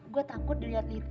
gue takut dilihat lita